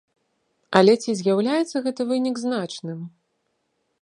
Але ці з'яўляецца гэты вынік значным?